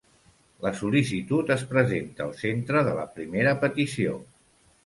La sol·licitud es presenta al centre de la primera petició.